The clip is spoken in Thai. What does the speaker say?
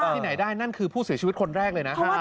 ที่ไหนได้นั่นคือผู้เสียชีวิตคนแรกเลยนะ